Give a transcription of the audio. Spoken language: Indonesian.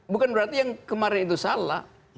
bukan berarti yang kemarin itu salah